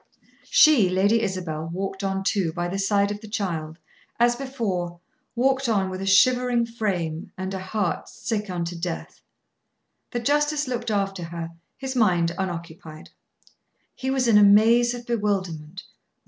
She, Lady Isabel, walked on, too, by the side of the child, as before, walked on with a shivering frame, and a heart sick unto death. The justice looked after her, his mind unoccupied. He was in a maze of bewilderment.